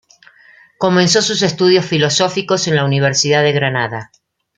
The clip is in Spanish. Comenzó sus estudios filosóficos en la Universidad de Granada.